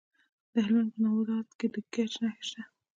د هلمند په نوزاد کې د ګچ نښې شته.